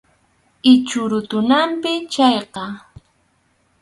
Ichhu rutunapaqmi chayqa.